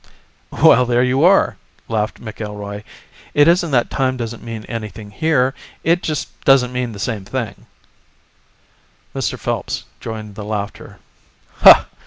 "Well, there you are," laughed McIlroy, "it isn't that time doesn't mean anything here, it just doesn't mean the same thing." Mr. Phelps joined the laughter.